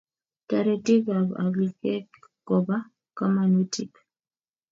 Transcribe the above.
Taretik ab alikek koba kamanutik